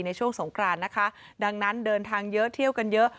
ช่วงสงครานนะคะดังนั้นเดินทางเยอะเที่ยวกันเยอะ